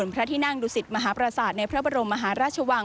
พระที่นั่งดุสิตมหาปราศาสตร์ในพระบรมมหาราชวัง